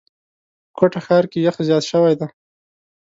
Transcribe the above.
په کوټه ښار کي یخ زیات شوی دی.